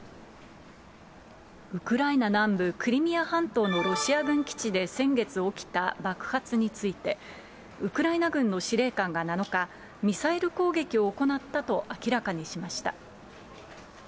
ウクライナ南部クリミア半島のロシア軍基地で先月起きた爆発について、ウクライナ軍の司令官が７日、ミサイル攻撃を行ったと明らかにしました。